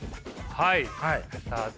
はい。